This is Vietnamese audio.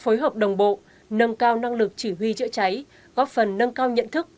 phối hợp đồng bộ nâng cao năng lực chỉ huy chữa cháy góp phần nâng cao nhận thức